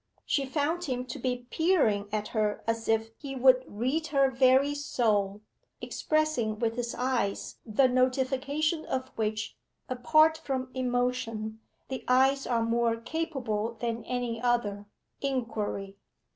She found him to be peering at her as if he would read her very soul expressing with his eyes the notification of which, apart from emotion, the eyes are more capable than any other inquiry.